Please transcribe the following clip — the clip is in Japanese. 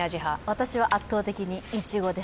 私は圧倒的にイチゴです。